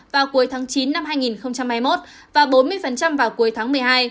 vào cuối tháng chín năm hai nghìn hai mươi một và bốn mươi vào cuối tháng một mươi hai